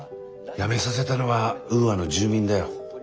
辞めさせたのはウーアの住民だよ。